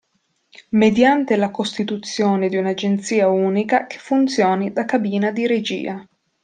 Mediante la costituzione di un'agenzia unica che funzioni da cabina di regia.